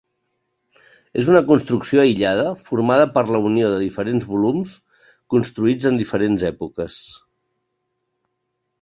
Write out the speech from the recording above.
És una construcció aïllada formada per la unió de diferents volums, construïts en diferents èpoques.